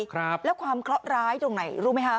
ครับแล้วความเคราะหร้ายตรงไหนรู้ไหมคะ